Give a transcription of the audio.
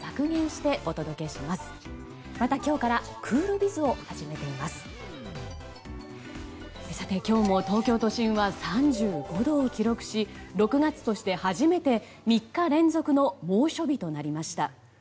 さて、今日も東京都心は３５度を記録し６月として初めて３日連続の猛暑日となりました。